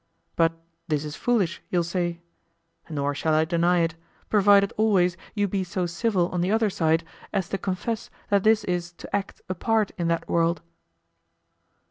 But this is foolish, you'll say; nor shall I deny it, provided always you be so civil on the other side as to confess that this is to act a part in that world.